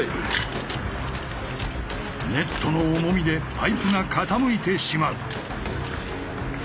ネットの重みでパイプが傾いてしまう。